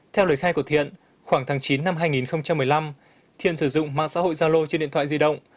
theo lời khai của thiện khoảng tháng chín năm hai nghìn một mươi năm thiên sử dụng mạng xã hội gia lô trên điện thoại di động